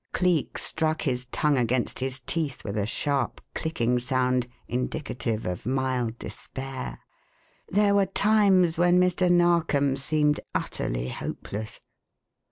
Cleek struck his tongue against his teeth with a sharp, clicking sound indicative of mild despair. There were times when Mr. Narkom seemed utterly hopeless.